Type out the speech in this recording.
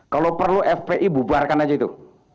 kalau perlu fpi bubarkan aja itu